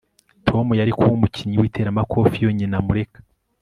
Tom yari kuba umukinnyi witeramakofe iyo nyina amureka